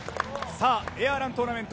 さあエアーラントーナメント